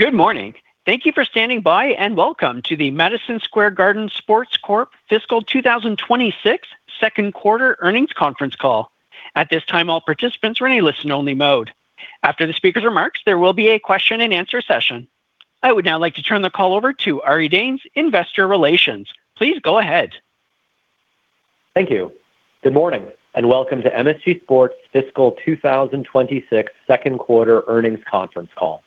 Good morning! Thank you for standing by, and welcome to the Madison Square Garden Sports Corp. Fiscal 2026 second quarter earnings conference call. At this time, all participants are in a listen-only mode. After the speaker's remarks, there will be a question-and-answer session. I would now like to turn the call over to Ari Danes, Investor Relations. Please go ahead. Thank you. Good morning, and welcome to MSG Sports Fiscal 2026 second quarter earnings conference call.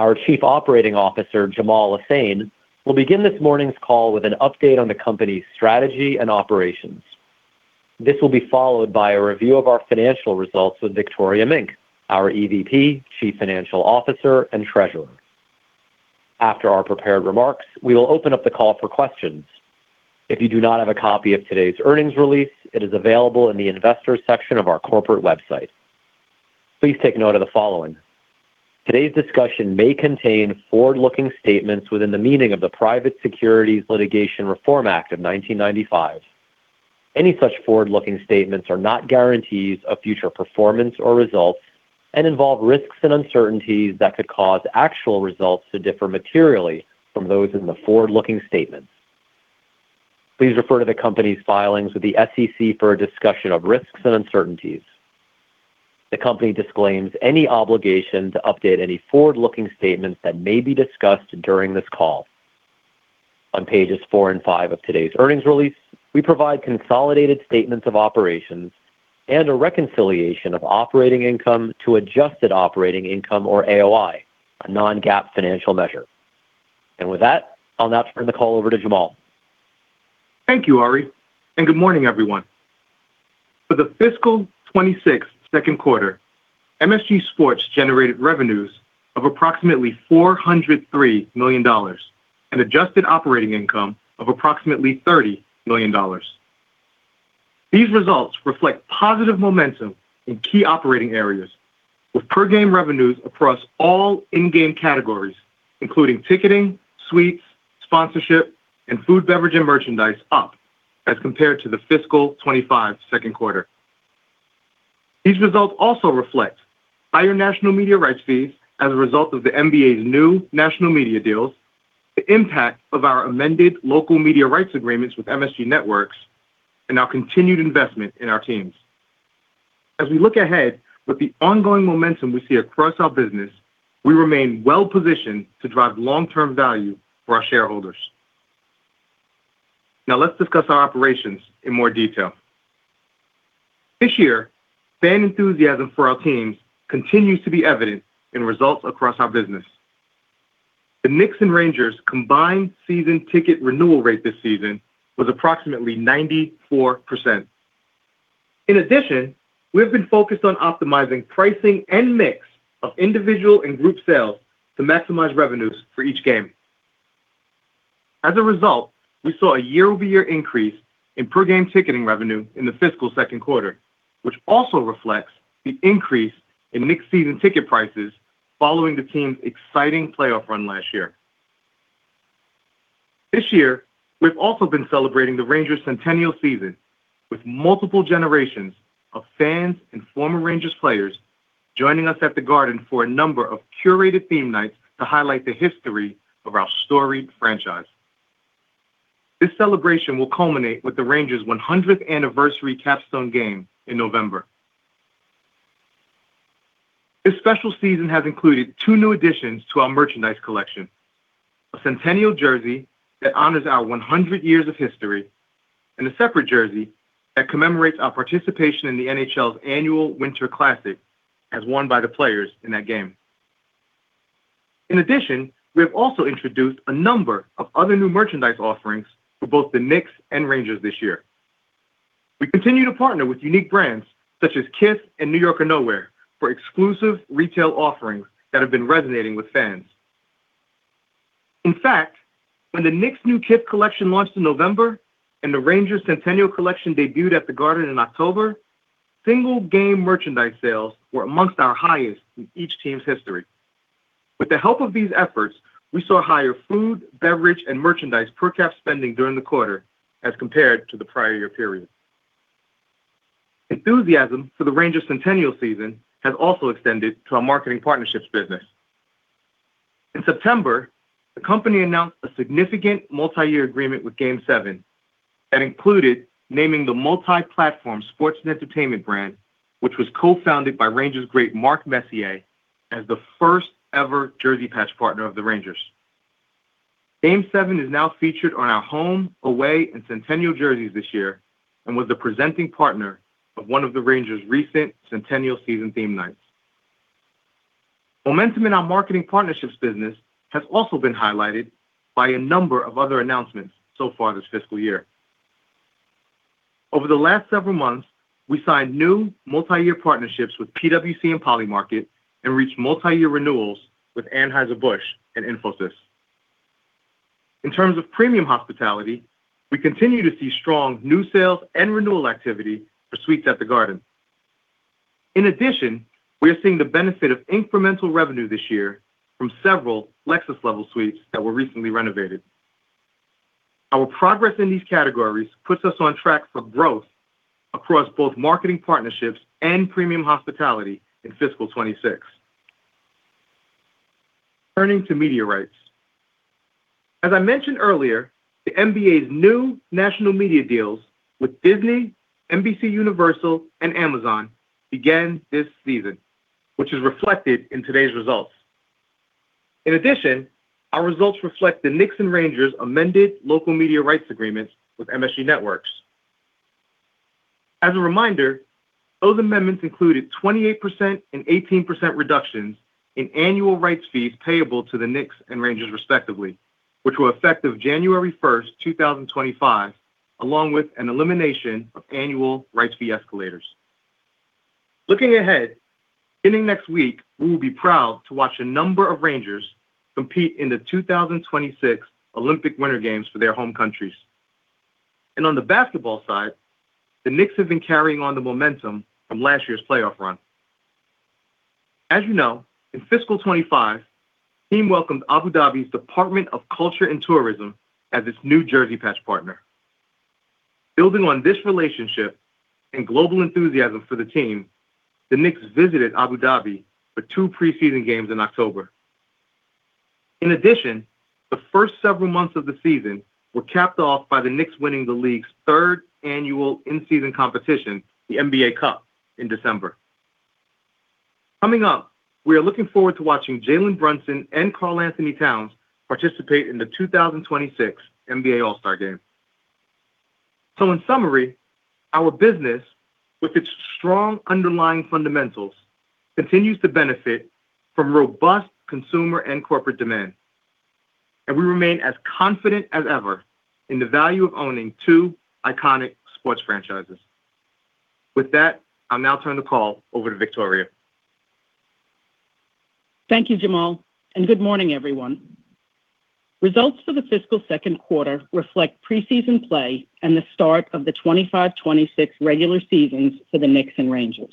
Our Chief Operating Officer, Jamaal Lesane, will begin this morning's call with an update on the company's strategy and operations. This will be followed by a review of our financial results with Victoria Mink, our EVP, Chief Financial Officer, and Treasurer. After our prepared remarks, we will open up the call for questions. If you do not have a copy of today's earnings release, it is available in the Investors section of our corporate website. Please take note of the following: Today's discussion may contain forward-looking statements within the meaning of the Private Securities Litigation Reform Act of 1995. Any such forward-looking statements are not guarantees of future performance or results and involve risks and uncertainties that could cause actual results to differ materially from those in the forward-looking statements. Please refer to the company's filings with the SEC for a discussion of risks and uncertainties. The company disclaims any obligation to update any forward-looking statements that may be discussed during this call. On pages 4 and 5 of today's earnings release, we provide consolidated statements of operations and a reconciliation of operating income to adjusted operating income or AOI, a non-GAAP financial measure. With that, I'll now turn the call over to Jamaal. Thank you, Ari, and good morning, everyone. For the fiscal 2026 second quarter, MSG Sports generated revenues of approximately $403 million and Adjusted Operating Income of approximately $30 million. These results reflect positive momentum in key operating areas, with per-game revenues across all in-game categories, including ticketing, suites, sponsorship, and food, beverage, and merchandise, up as compared to the fiscal 2025 second quarter. These results also reflect higher national media rights fees as a result of the NBA's new national media deals, the impact of our amended local media rights agreements with MSG Networks, and our continued investment in our teams. As we look ahead with the ongoing momentum we see across our business, we remain well-positioned to drive long-term value for our shareholders. Now, let's discuss our operations in more detail. This year, fan enthusiasm for our teams continues to be evident in results across our business. The Knicks' and Rangers' combined season ticket renewal rate this season was approximately 94%. In addition, we have been focused on optimizing pricing and mix of individual and group sales to maximize revenues for each game. As a result, we saw a year-over-year increase in per-game ticketing revenue in the fiscal second quarter, which also reflects the increase in Knicks' season ticket prices following the team's exciting playoff run last year. This year, we've also been celebrating the Rangers' centennial season with multiple generations of fans and former Rangers players joining us at The Garden for a number of curated theme nights to highlight the history of our storied franchise. This celebration will culminate with the Rangers' 100th-anniversary capstone game in November. This special season has included 2 new additions to our merchandise collection: a centennial jersey that honors our 100 years of history, and a separate jersey that commemorates our participation in the NHL's annual Winter Classic as worn by the players in that game. In addition, we have also introduced a number of other new merchandise offerings for both the Knicks and Rangers this year. We continue to partner with unique brands such as KISS and New York or Nowhere, for exclusive retail offerings that have been resonating with fans. In fact, when the Knicks' new KISS collection launched in November and the Rangers' Centennial collection debuted at The Garden in October, single-game merchandise sales were amongst our highest in each team's history. With the help of these efforts, we saw higher food, beverage, and merchandise per-cap spending during the quarter as compared to the prior year period. Enthusiasm for the Rangers' centennial season has also extended to our marketing partnerships business. In September, the company announced a significant multi-year agreement with Game 7 that included naming the multi-platform sports and entertainment brand, which was co-founded by Rangers great Mark Messier, as the first-ever jersey patch partner of the Rangers. Game 7 is now featured on our home, away, and centennial jerseys this year and was the presenting partner of one of the Rangers' recent centennial season theme nights. Momentum in our marketing partnerships business has also been highlighted by a number of other announcements so far this fiscal year. Over the last several months, we signed new multi-year partnerships with PwC and Polymarket and reached multi-year renewals with Anheuser-Busch and Infosys. In terms of premium hospitality, we continue to see strong new sales and renewal activity for suites at The Garden. In addition, we are seeing the benefit of incremental revenue this year from several Lexus Level suites that were recently renovated. Our progress in these categories puts us on track for growth across both marketing partnerships and premium hospitality in fiscal 2026. Turning to media rights. As I mentioned earlier, the NBA's new national media deals with Disney, NBCUniversal, and Amazon began this season, which is reflected in today's results. In addition, our results reflect the Knicks and Rangers' amended local media rights agreements with MSG Networks. As a reminder, those amendments included 28% and 18% reductions in annual rights fees payable to the Knicks and Rangers respectively, which were effective January 1, 2025, along with an elimination of annual rights fee escalators. Looking ahead, beginning next week, we will be proud to watch a number of Rangers compete in the 2026 Olympic Winter Games for their home countries. On the basketball side, the Knicks have been carrying on the momentum from last year's playoff run. As you know, in fiscal 2025, the team welcomed Abu Dhabi's Department of Culture and Tourism as its new jersey patch partner. Building on this relationship and global enthusiasm for the team, the Knicks visited Abu Dhabi for 2 preseason games in October. In addition, the first several months of the season were capped off by the Knicks winning the league's third annual in-season competition, the NBA Cup, in December. Coming up, we are looking forward to watching Jalen Brunson and Karl-Anthony Towns participate in the 2026 NBA All-Star Game. In summary, our business, with its strong underlying fundamentals, continues to benefit from robust consumer and corporate demand, and we remain as confident as ever in the value of owning two iconic sports franchises. With that, I'll now turn the call over to Victoria. Thank you, Jamaal, and good morning, everyone. Results for the fiscal second quarter reflect preseason play and the start of the 2025-26 regular seasons for the Knicks and Rangers.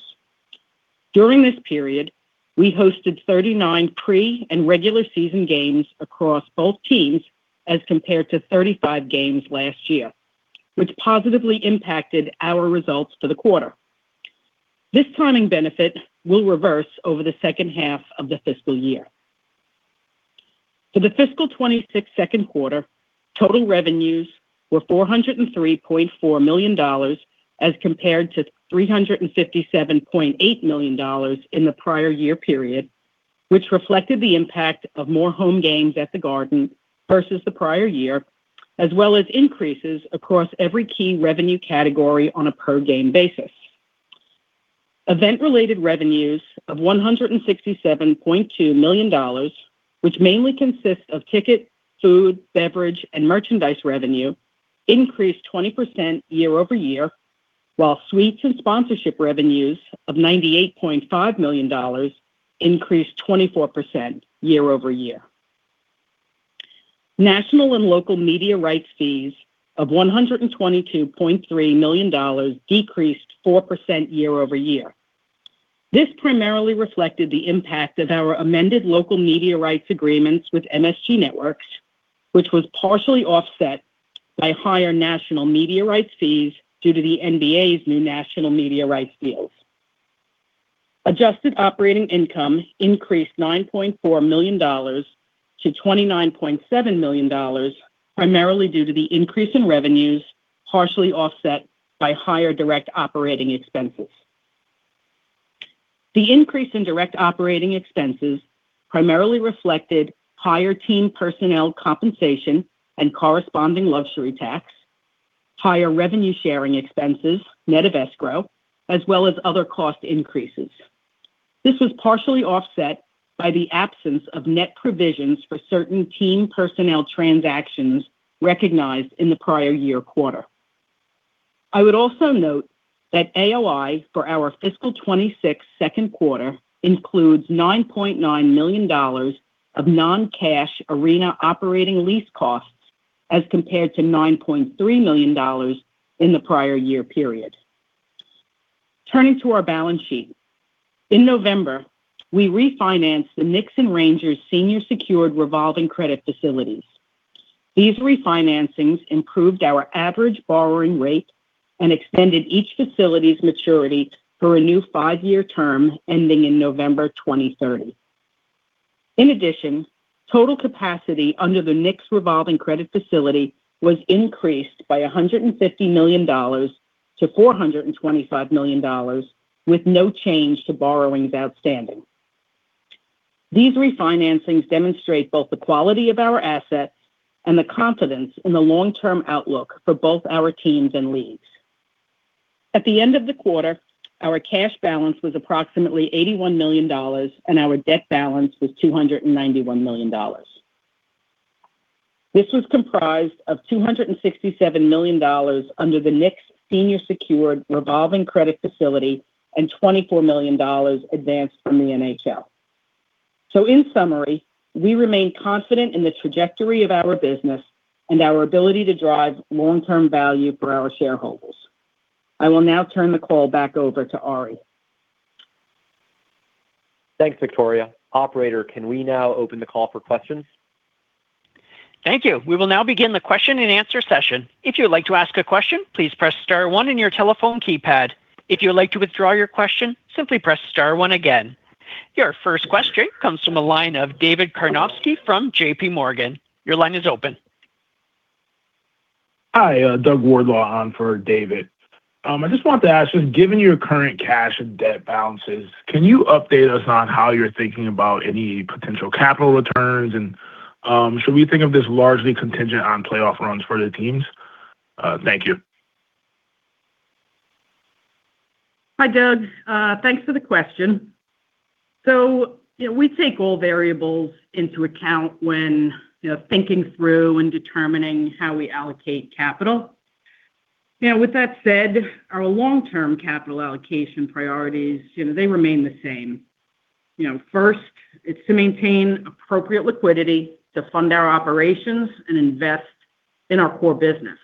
During this period, we hosted 39 pre- and regular season games across both teams, as compared to 35 games last year, which positively impacted our results for the quarter. This timing benefit will reverse over the second half of the fiscal year. For the fiscal 2026 second quarter, total revenues were $403.4 million, as compared to $357.8 million in the prior year period, which reflected the impact of more home games at the Garden versus the prior year, as well as increases across every key revenue category on a per-game basis. Event-related revenues of $167.2 million, which mainly consist of ticket, food, beverage, and merchandise revenue, increased 20% year-over-year, while suites and sponsorship revenues of $98.5 million increased 24% year-over-year. National and local media rights fees of $122.3 million decreased 4% year-over-year. This primarily reflected the impact of our amended local media rights agreements with MSG Networks, which was partially offset by higher national media rights fees due to the NBA's new national media rights deals. Adjusted Operating Income increased $9.4 million to $29.7 million, primarily due to the increase in revenues, partially offset by higher direct operating expenses. The increase in direct operating expenses primarily reflected higher team personnel compensation and corresponding luxury tax, higher revenue sharing expenses, net of escrow, as well as other cost increases. This was partially offset by the absence of net provisions for certain team personnel transactions recognized in the prior year quarter. I would also note that AOI for our fiscal 2026 second quarter includes $9.9 million of non-cash arena operating lease costs, as compared to $9.3 million in the prior year period. Turning to our balance sheet. In November, we refinanced the Knicks and Rangers senior secured revolving credit facilities. These refinancings improved our average borrowing rate and extended each facility's maturity for a new 5-year term ending in November 2030. In addition, total capacity under the Knicks revolving credit facility was increased by $150 million to $425 million, with no change to borrowings outstanding. These refinancings demonstrate both the quality of our assets and the confidence in the long-term outlook for both our teams and leagues. At the end of the quarter, our cash balance was approximately $81 million, and our debt balance was $291 million. This was comprised of $267 million under the Knicks' senior secured revolving credit facility and $24 million advanced from the NHL. So in summary, we remain confident in the trajectory of our business and our ability to drive long-term value for our shareholders. I will now turn the call back over to Ari.... Thanks, Victoria. Operator, can we now open the call for questions? Thank you. We will now begin the question and answer session. If you would like to ask a question, please press star one in your telephone keypad. If you would like to withdraw your question, simply press star one again. Your first question comes from the line of David Karnofsky from J.P. Morgan. Your line is open. Hi, Doug Wardlaw on for David. I just wanted to ask, just given your current cash and debt balances, can you update us on how you're thinking about any potential capital returns? And, should we think of this largely contingent on playoff runs for the teams? Thank you. Hi, Doug. Thanks for the question. So, you know, we take all variables into account when, you know, thinking through and determining how we allocate capital. Now, with that said, our long-term capital allocation priorities, you know, they remain the same. You know, first, it's to maintain appropriate liquidity to fund our operations and invest in our core business.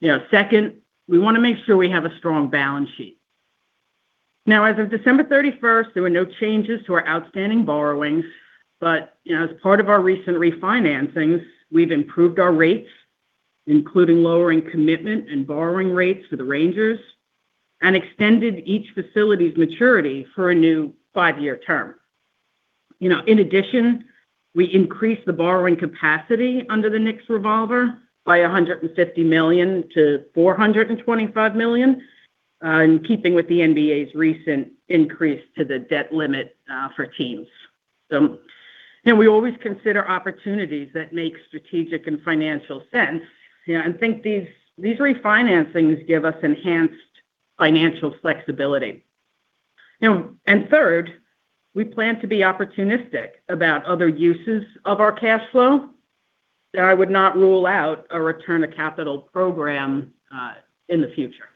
You know, second, we wanna make sure we have a strong balance sheet. Now, as of December 31st, there were no changes to our outstanding borrowings, but, you know, as part of our recent refinancings, we've improved our rates, including lowering commitment and borrowing rates for the Rangers, and extended each facility's maturity for a new 5-year term. You know, in addition, we increased the borrowing capacity under the Knicks revolver by $150 million to $425 million, in keeping with the NBA's recent increase to the debt limit, for teams. So, you know, we always consider opportunities that make strategic and financial sense, you know, and think these, these refinancings give us enhanced financial flexibility. You know, and third, we plan to be opportunistic about other uses of our cash flow, so I would not rule out a return of capital program, in the future.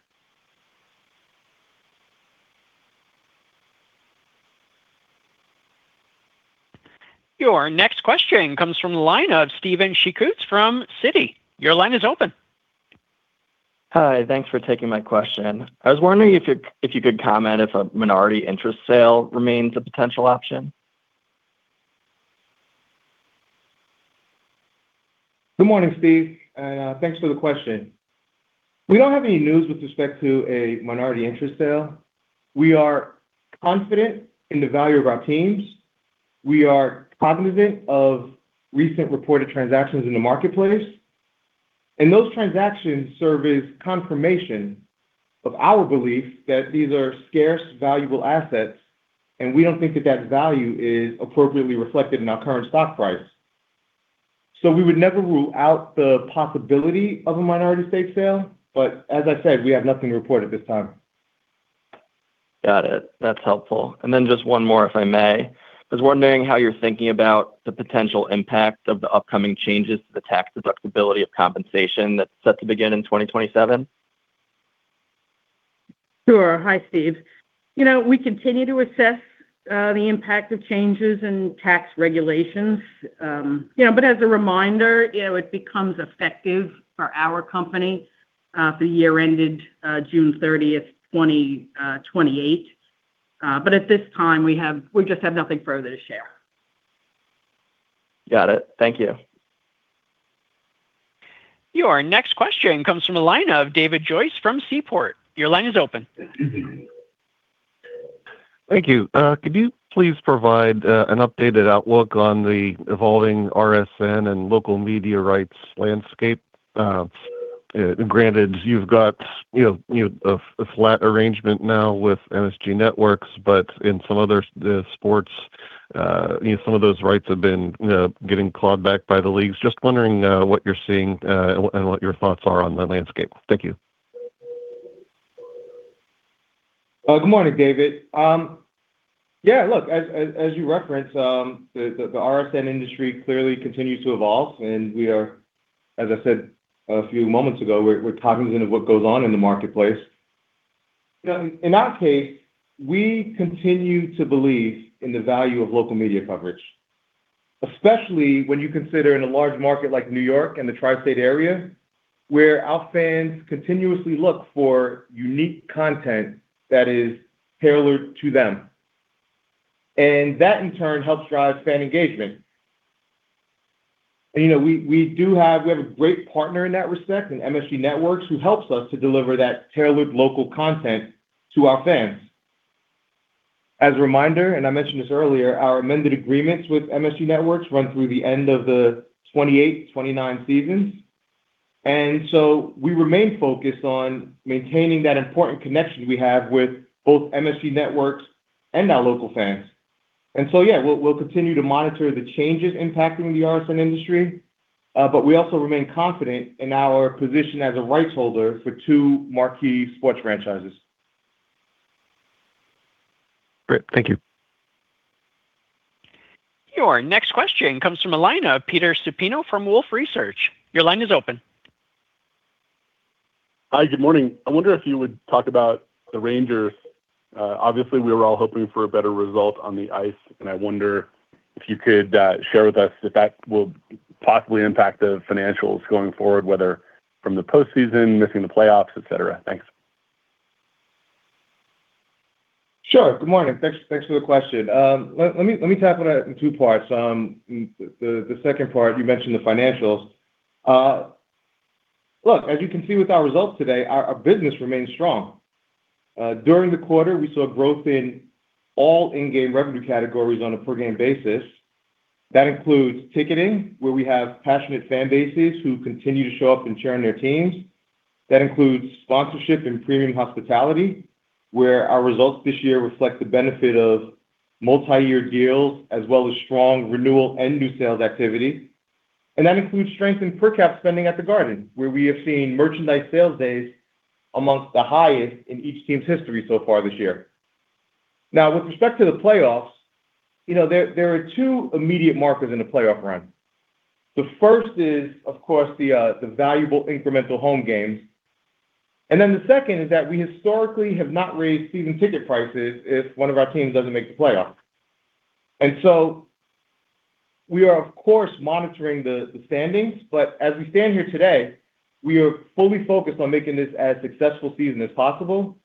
Your next question comes from the line of Stephen Laszczyk from Citi. Your line is open. Hi, thanks for taking my question. I was wondering if you could comment if a minority interest sale remains a potential option? Good morning, Steve, and thanks for the question. We don't have any news with respect to a minority interest sale. We are confident in the value of our teams. We are cognizant of recent reported transactions in the marketplace, and those transactions serve as confirmation of our belief that these are scarce, valuable assets, and we don't think that that value is appropriately reflected in our current stock price. We would never rule out the possibility of a minority stake sale, but as I said, we have nothing to report at this time. Got it. That's helpful. And then just one more, if I may. I was wondering how you're thinking about the potential impact of the upcoming changes to the tax deductibility of compensation that's set to begin in 2027? Sure. Hi, Steve. You know, we continue to assess the impact of changes in tax regulations. You know, but as a reminder, you know, it becomes effective for our company for the year ended June thirtieth, 2028. But at this time, we just have nothing further to share. Got it. Thank you. Your next question comes from the line of David Joyce from Seaport. Your line is open. Thank you. Could you please provide an updated outlook on the evolving RSN and local media rights landscape? Granted, you've got, you know, you know, a flat arrangement now with MSG Networks, but in some other sports, you know, some of those rights have been getting clawed back by the leagues. Just wondering what you're seeing and what your thoughts are on the landscape. Thank you. Good morning, David. Yeah, look, as you reference, the RSN industry clearly continues to evolve, and we are, as I said a few moments ago, we're cognizant of what goes on in the marketplace. You know, in our case, we continue to believe in the value of local media coverage, especially when you consider in a large market like New York and the Tri-State area, where our fans continuously look for unique content that is tailored to them. And that, in turn, helps drive fan engagement. And you know, we do have a great partner in that respect, in MSG Networks, who helps us to deliver that tailored local content to our fans. As a reminder, and I mentioned this earlier, our amended agreements with MSG Networks run through the end of the 2028-2029 seasons. We remain focused on maintaining that important connection we have with both MSG Networks and our local fans. Yeah, we'll continue to monitor the changes impacting the RSN industry, but we also remain confident in our position as a rights holder for two marquee sports franchises. Great. Thank you. Your next question comes from a line of Peter Supino from Wolfe Research. Your line is open. Hi, good morning. I wonder if you would talk about the Rangers. Obviously, we were all hoping for a better result on the ice, and I wonder if you could share with us if that will possibly impact the financials going forward, whether from the postseason, missing the playoffs, et cetera? Thanks. Sure. Good morning. Thanks, thanks for the question. Let me tackle that in two parts. The second part, you mentioned the financials. Look, as you can see with our results today, our business remains strong. During the quarter, we saw growth in all in-game revenue categories on a per-game basis. That includes ticketing, where we have passionate fan bases who continue to show up and cheer on their teams. That includes sponsorship and premium hospitality, where our results this year reflect the benefit of multi-year deals, as well as strong renewal and new sales activity. And that includes strength in per cap spending at The Garden, where we have seen merchandise sales days among the highest in each team's history so far this year. Now, with respect to the playoffs, you know, there, there are two immediate markers in a playoff run. The first is, of course, the valuable incremental home games, and then the second is that we historically have not raised season ticket prices if one of our teams doesn't make the playoffs. And so we are, of course, monitoring the standings, but as we stand here today, we are fully focused on making this as successful season as possible.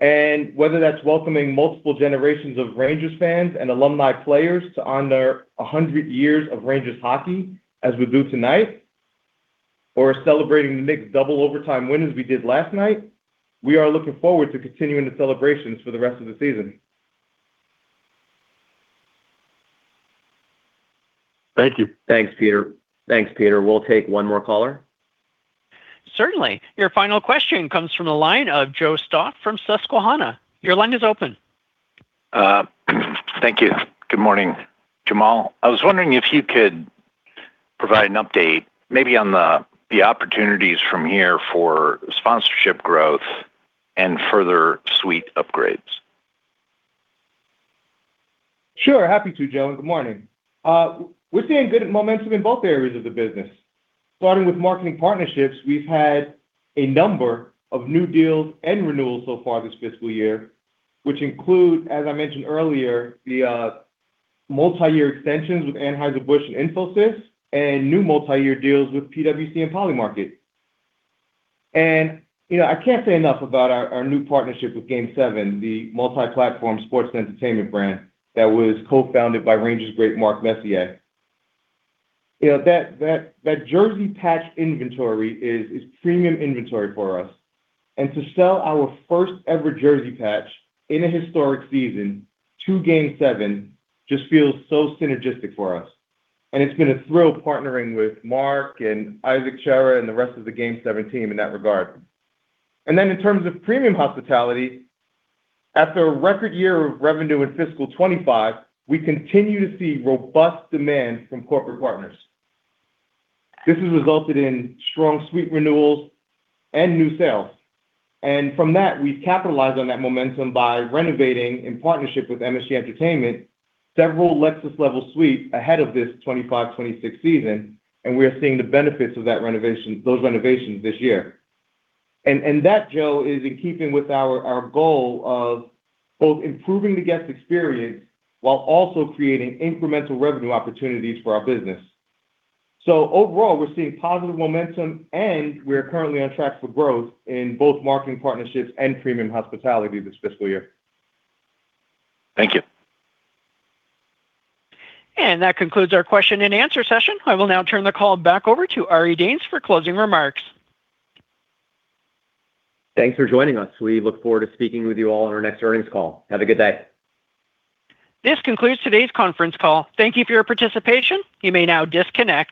And whether that's welcoming multiple generations of Rangers fans and alumni players to honor 100 years of Rangers hockey, as we do tonight, or celebrating the Knicks' double overtime win as we did last night, we are looking forward to continuing the celebrations for the rest of the season. Thank you. Thanks, Peter. Thanks, Peter. We'll take one more caller. Certainly. Your final question comes from the line of Joseph Stauff from Susquehanna. Your line is open. Thank you. Good morning, Jamaal. I was wondering if you could provide an update, maybe on the opportunities from here for sponsorship growth and further suite upgrades. Sure, happy to, Joe, and good morning. We're seeing good momentum in both areas of the business. Starting with marketing partnerships, we've had a number of new deals and renewals so far this fiscal year, which include, as I mentioned earlier, the multi-year extensions with Anheuser-Busch and Infosys, and new multi-year deals with PwC and Polymarket. And, you know, I can't say enough about our new partnership with Game 7, the multi-platform sports and entertainment brand that was co-founded by Rangers great Mark Messier. You know, that jersey patch inventory is premium inventory for us, and to sell our first-ever jersey patch in a historic season to Game 7 just feels so synergistic for us. And it's been a thrill partnering with Mark and Isaac Chera and the rest of the Game 7 team in that regard. And then in terms of premium hospitality, after a record year of revenue in fiscal 2025, we continue to see robust demand from corporate partners. This has resulted in strong suite renewals and new sales, and from that, we've capitalized on that momentum by renovating, in partnership with MSG Entertainment, several Lexus-level suites ahead of this 2025-26 season, and we are seeing the benefits of that renovation, those renovations this year. And that, Joe, is in keeping with our goal of both improving the guest experience while also creating incremental revenue opportunities for our business. So overall, we're seeing positive momentum, and we are currently on track for growth in both marketing partnerships and premium hospitality this fiscal year. Thank you. That concludes our question and answer session. I will now turn the call back over to Ari Danes for closing remarks. Thanks for joining us. We look forward to speaking with you all on our next earnings call. Have a good day. This concludes today's conference call. Thank you for your participation. You may now disconnect.